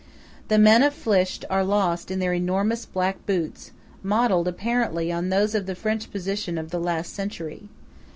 The men of Flitsch are lost in their enormous black boots, modelled, apparently, on those of the French position of the last century.